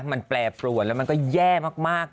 มันแปรปรวนแล้วมันก็แย่มาก